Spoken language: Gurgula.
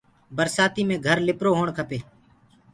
برسآتيٚ مي گھر لِپرو هوڻ کپي۔